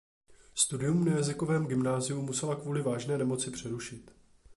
Studium na jazykovém gymnáziu musela kvůli vážné nemoci přerušit.